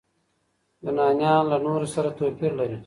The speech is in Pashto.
يونانيان له نورو سره توپير لري.